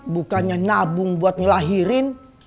bukannya nabung buat ngelahirin